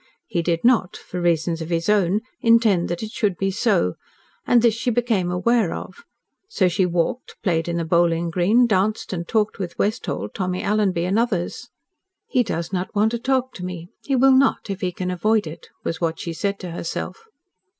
He did not for reasons of his own intend that it should be so, and this she became aware of. So she walked, played in the bowling green, danced and talked with Westholt, Tommy Alanby and others. "He does not want to talk to me. He will not, if he can avoid it," was what she said to herself.